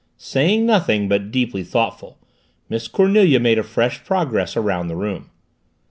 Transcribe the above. Saying nothing, but deeply thoughtful, Miss Cornelia made a fresh progress around the room.